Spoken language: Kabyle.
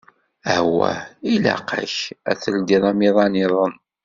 Awah, ilaq-ak ad teldiḍ amiḍan-iḍen.